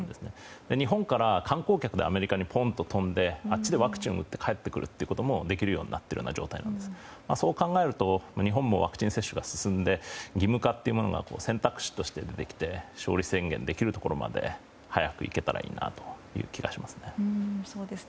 日本から観光客でアメリカに飛んであっちでワクチン打って帰ってくることもできるようになっているような状態でそう考えると日本もワクチン接種が進んで、義務化というものが選択肢として出てきて勝利宣言できるところまで早くいけたらいいなという気がしますね。